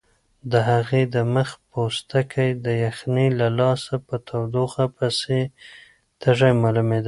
د هغې د مخ پوستکی د یخنۍ له لاسه په تودوخه پسې تږی معلومېده.